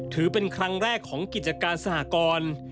ถือเป็นครั้งแรกของกิจการสหกร